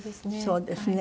そうですね。